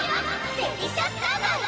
デリシャスタンバイ！